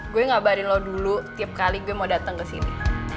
gue ngabarin lo dulu tiap kali gue mau datang ke sini